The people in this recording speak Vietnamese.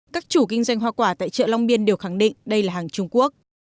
các chủ kinh doanh hoa quả tại chợ long biên đều khẳng định đây là hàng trung quốc